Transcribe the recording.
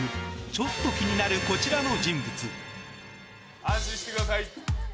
ちょっと気になるこちらの人物。